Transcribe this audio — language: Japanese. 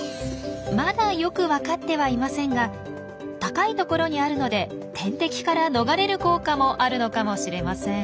まだよく分かってはいませんが高いところにあるので天敵から逃れる効果もあるのかもしれません。